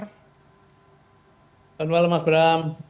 selamat malam mas bram